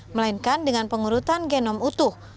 melainkan dengan pengurutan genom utuh